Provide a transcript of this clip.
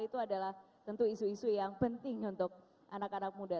itu adalah tentu isu isu yang penting untuk anak anak muda